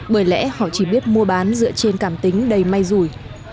bởi lẽ họ chỉ biết mua bán dựa trên cảm tính đầy may rủi